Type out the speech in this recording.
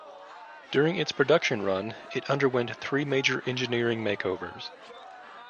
During its production run it underwent three major engineering makeovers.